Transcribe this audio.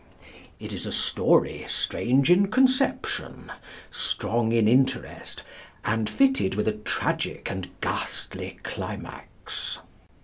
It is a story strange in conception, strong in interest, and fitted with a tragic and ghastly climax.